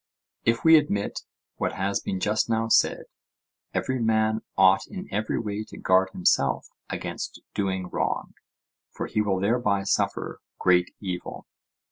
If we admit what has been just now said, every man ought in every way to guard himself against doing wrong, for he will thereby suffer great evil?